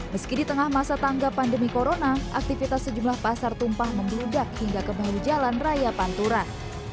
meski di tengah masa tangga pandemi corona aktivitas sejumlah pasar tumpah membeludak hingga kembali jalan raya panturan